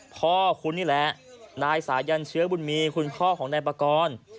พ่อคุณนี่แหละนายสายันเชื้อบุญมีคุณพ่อของนายปากร